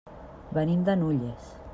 Venim de Nulles.